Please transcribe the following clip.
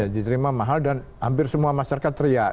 diterima mahal dan hampir semua masyarakat teriak